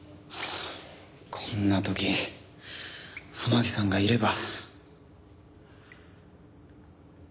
こんな時天樹さんがいれば。